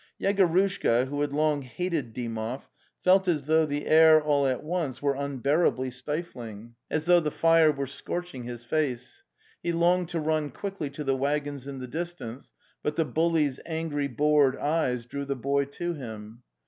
Yegorushka, who had long hated Dymoy, felt as though the air all at once were unbearably stifling, 270 The Tales of Chekhov as though the fire were scorching his face; he longed to run quickly to the waggons in the darkness, but the bully's angry bored eyes drew the boy to him.